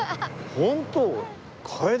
ホントに。